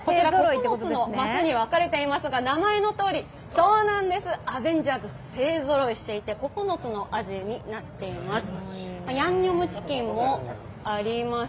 ９つのますに分かれていますが名前のとおり、アベンジャーズ勢ぞろいしていて９つの味になっいてます。